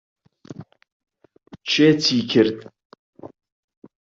کێ چی کرد؟